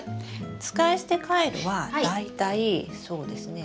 使い捨てカイロは大体そうですね